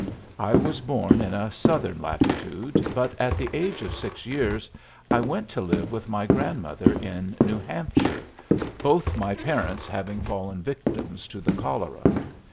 I was born in a southern latitude, but at the age of six years I went to live with my grandmother in New Hampshire, both my parents having fallen victims to the cholera.